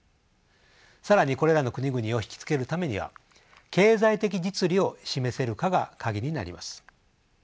更にこれらの国々を引き付けるためには経済的実利を示せるかが鍵になります。